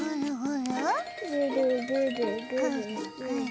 ぐるぐるぐるぐる。